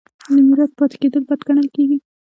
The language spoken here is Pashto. د میرات پاتې کیدل بد ګڼل کیږي.